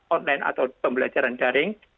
online atau pembelajaran daring